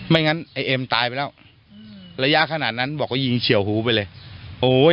งั้นไอ้เอ็มตายไปแล้วระยะขนาดนั้นบอกว่ายิงเฉียวหูไปเลยโอ้ย